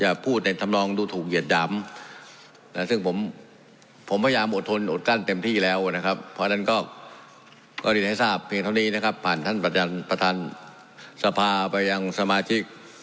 ก็เลยจะทำเพลงเท่านี้นะครับผ่านท่านประจันตร์ภาพไปยังสมาชิก